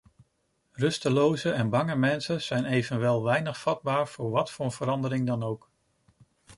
Rusteloze en bange mensen zijn evenwel weinig vatbaar voor wat voor verandering dan ook.